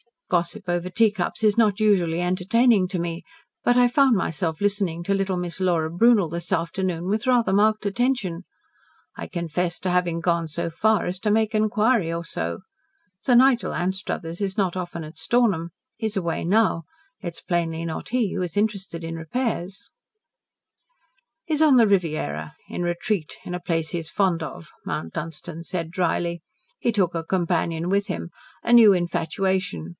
Gossip over teacups is not usually entertaining to me, but I found myself listening to little Miss Laura Brunel this afternoon with rather marked attention. I confess to having gone so far as to make an inquiry or so. Sir Nigel Anstruthers is not often at Stornham. He is away now. It is plainly not he who is interested in repairs." "He is on the Riviera, in retreat, in a place he is fond of," Mount Dunstan said drily. "He took a companion with him. A new infatuation.